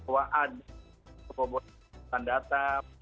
wah ada kebobosan data